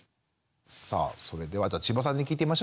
さあそれでは千葉さんに聞いてみましょうか。